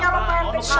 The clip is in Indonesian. wah itu ash tadi